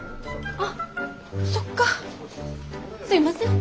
あっそっかすいません。